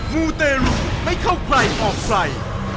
มูตรรุไม่เข้าใกล้ออกใส่